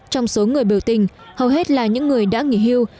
trong số người biểu tình hầu hết là những người đã nghỉ hưu